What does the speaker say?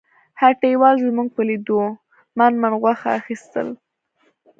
هټیوال زموږ په لیدو من من غوښه اخیستل.